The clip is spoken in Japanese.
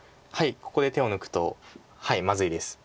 ここで手を抜くとまずいです。